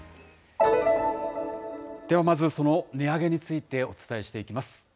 ではまずその値上げについて、お伝えしていきます。